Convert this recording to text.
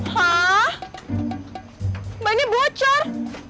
hah bannya bocor